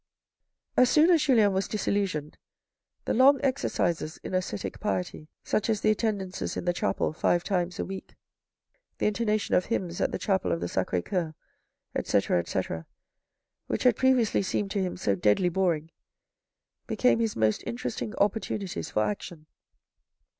As soon as Julien was disillusioned, the long exercises in ascetic piety, such as the attendances in the chapel five times a week, the intonation of hymns at the chapel of the Sacre Coeur, etc , etc., which had previously seemed to him so deadly boring, became his most interesting opportunities for action.